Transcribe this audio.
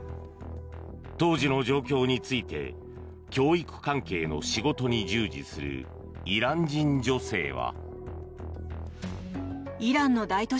当時の状況について教育関係の仕事に従事するイラン人女性は。